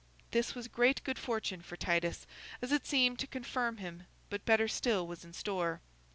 This was great good fortune for Titus, as it seemed to confirm him; but better still was in store.